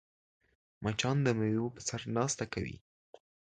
مچان د میوو په سر ناسته کوي